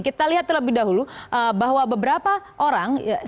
kita lihat terlebih dahulu bahwa beberapa orang